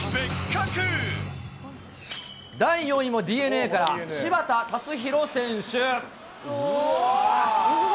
第４位もＤｅＮＡから柴田たつひろ選手。